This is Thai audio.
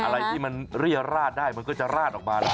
อะไรที่มันเรียราดได้มันก็จะราดออกมาแล้ว